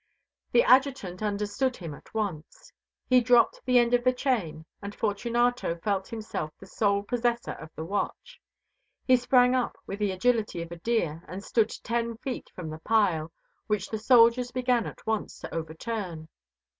The Adjutant understood him at once. He dropped the end of the chain and Fortunato felt himself the sole possessor of the watch. He sprang up with the agility of a deer and stood ten feet from the pile, which the soldiers began at once to overturn.